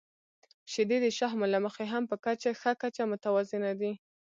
• شیدې د شحمو له مخې هم په ښه کچه متوازنه دي.